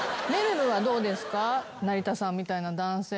成田さんみたいな男性。